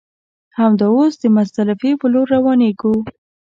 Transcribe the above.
همدا اوس د مزدلفې پر لور روانېږو.